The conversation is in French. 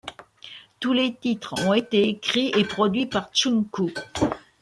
Tous les titres ont été écrits et produits par Tsunku.